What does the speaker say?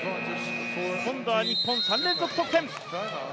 今度は日本、３連続得点。